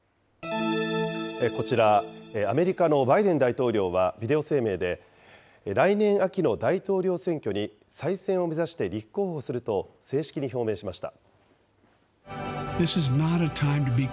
こちら、アメリカのバイデン大統領はビデオ声明で、来年秋の大統領選挙に、再選を目指して立候補すると正式に表明しました。